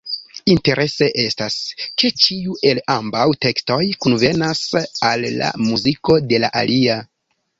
Interese estas, ke ĉiu el ambaŭ tekstoj konvenas al la muziko de la alia.